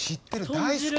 大好き！